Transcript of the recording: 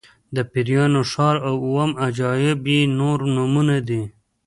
د پیریانو ښار او اووم عجایب یې نور نومونه دي.